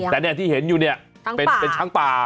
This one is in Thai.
แต่ที่เห็นอยู่เนี่ยเป็นช้างป่า